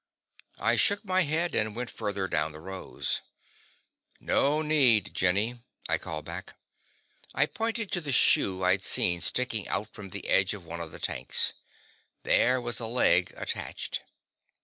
I shook my head, and went further down the rows. "No need, Jenny," I called back. I pointed to the shoe I'd seen sticking out from the edge of one of the tanks. There was a leg attached.